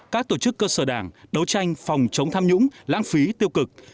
các tổ chức cơ sở đảng đấu tranh phòng chống tham nhũng lãng phí tiêu cực